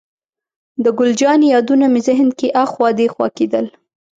د ګل جانې یادونه مې ذهن کې اخوا دېخوا کېدل.